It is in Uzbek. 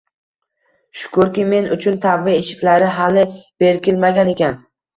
Shukurki, men uchun tavba eshiklari hali berkilmagan ekan